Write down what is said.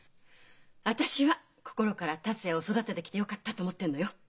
私は心から達也を育ててきてよかったと思ってるのよ。